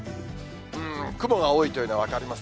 雲が多いというのは分かりますね。